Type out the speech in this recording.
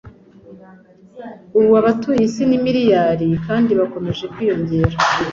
ubu abatuye isi ni miliyari kandi bakomeje kwiyongera.